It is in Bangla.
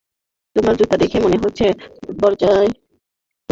তোমার জুতা দেখে মনে হচ্ছে আবর্জনায় ডুবানো ছিল!